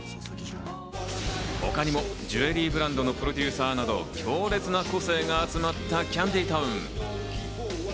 他にもジュエリーブランドのプロデューサーなど強烈な個性が集まったＫＡＮＤＹＴＯＷＮ。